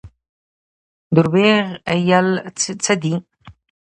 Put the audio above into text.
دروغ ویل څه دي؟